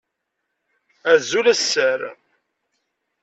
Azul a sser!